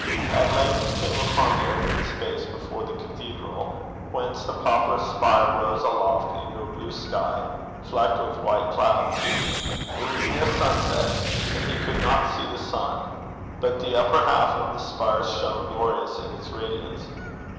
At length he came upon the open space before the cathedral, whence the poplar spire rose aloft into a blue sky flecked with white clouds. It was near sunset, and he could not see the sun, but the upper half of the spire shone glorious in its radiance.